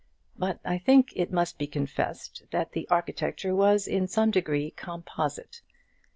But I think it must be confessed that the architecture was in some degree composite.